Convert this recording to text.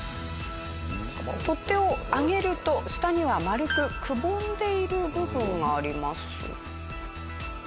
取っ手を上げると下には丸くくぼんでいる部分があります。